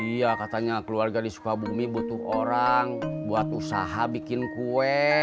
iya katanya keluarga di sukabumi butuh orang buat usaha bikin kue